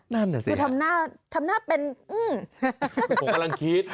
นั่นเหรอสิทำหน้าเป็นอื้อผมกำลังคิด